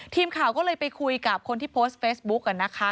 ทีมข่าวก็เลยไปคุยกับคนที่โพสต์เฟซบุ๊กนะคะ